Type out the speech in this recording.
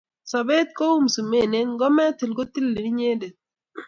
Sobet kou msumenet ngo metil kotilin inyendet